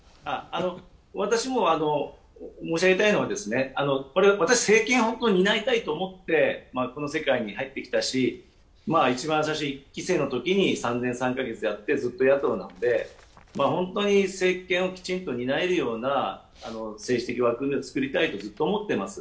私も申し上げたいのは、私、政権を担いたいと思ってこの世界に入ってきたし、一番最初１期生のときに３年３か月やってずっと野党なんで、本当に政権をきちんと狙えるような政治的枠組みを作りたいって、ずっと思ってます。